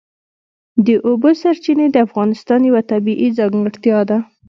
د اوبو سرچینې د افغانستان یوه طبیعي ځانګړتیا ده.